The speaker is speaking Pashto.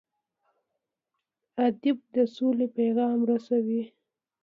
ادب د سولې پیغام رسوي.